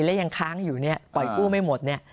และยังค้างอยู่ปล่อยกู้ไม่หมด